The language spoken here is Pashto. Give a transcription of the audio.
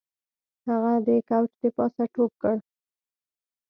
هغه د کوچ د پاسه ټوپ کړ